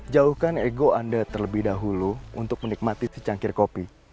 jauhkan ego anda terlebih dahulu untuk menikmati secangkir kopi